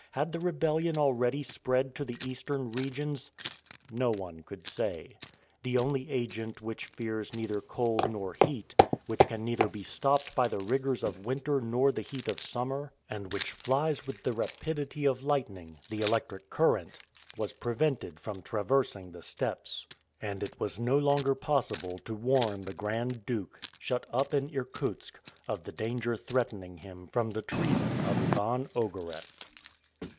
Had the rebellion already spread to the eastern regions? No one could say. The only agent which fears neither cold nor heat, which can neither be stopped by the rigors of winter nor the heat of summer, and which flies with the rapidity of lightning the electric current was prevented from traversing the steppes, and it was no longer possible to warn the Grand Duke, shut up in Irkutsk, of the danger threatening him from the treason of Ivan Ogareff.